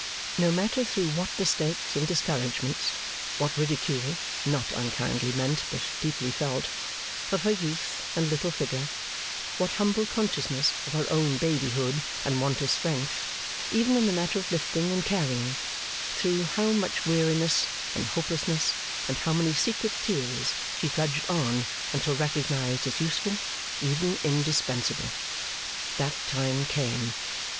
No matter through what mistakes and discouragements, what ridicule (not unkindly meant, but deeply felt) of her youth and little figure, what humble consciousness of her own babyhood and want of strength, even in the matter of lifting and carrying; through how much weariness and hopelessness, and how many secret tears; she drudged on, until recognised as useful, even indispensable. That time came.